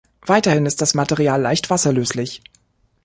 Weiterhin ist das Material leicht wasserlöslich.